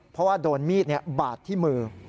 เพราะว่าโดนมีดบาดที่มือ